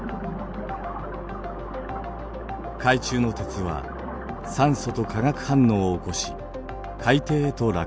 海中の鉄は酸素と化学反応を起こし海底へと落下。